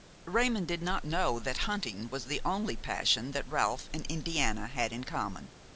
Raymon did not know that hunting was the only passion that Ralph and Indiana had in common.